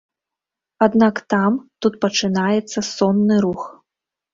Аднак там, тут пачынаецца сонны рух.